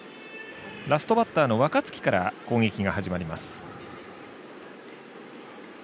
ラストバッターの若月から攻撃が始まります。